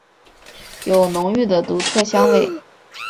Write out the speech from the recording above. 有浓郁的独特香味。